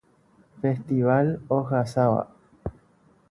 Festival ohasáva.